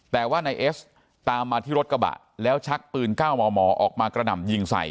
แต่ว่านายเอสตามมาที่รถกระบะแล้วชักปืน๙มมออกมากระหน่ำยิงใส่